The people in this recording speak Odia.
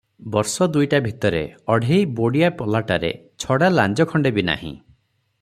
ବର୍ଷ ଦୁଇଟା ଭିତରେ ଅଢ଼େଇ ବୋଡ଼ିଆ ପଲାଟାରେ ଛଡ଼ା ଲାଞ୍ଜ ଖଣ୍ଡେ ବି ନାହିଁ ।